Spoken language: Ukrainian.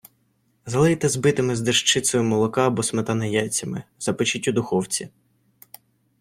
Залийте збитими з дещицею молока або сметани яйцями, запечіть у духовці.